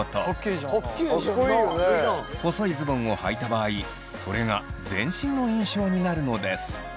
細いズボンをはいた場合それが全身の印象になるのです。